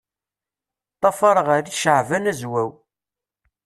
Ṭṭafareɣ arriCaɛban Azwaw.